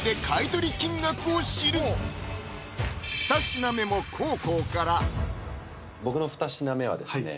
２品目も黄皓から僕の２品目はですね